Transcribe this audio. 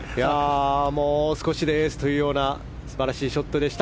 もう少しでエースというような素晴らしいショットでした。